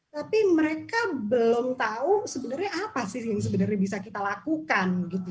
tapi mereka belum tahu sebenarnya apa sih yang sebenarnya bisa kita lakukan gitu